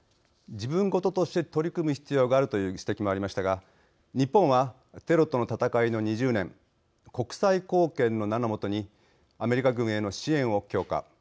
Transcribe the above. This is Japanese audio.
自分ごととして取り組む必要があるという指摘もありましたが日本は、テロとの戦いの２０年国際貢献の名のもとにアメリカ軍への支援を強化。